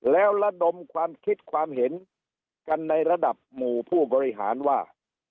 แล้วระดมความคิดความเห็นกันในระดับหมู่ผู้บริหารว่า